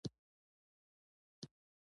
خرابه هوا او ستراتیژیکې تېروتنې لامل شول.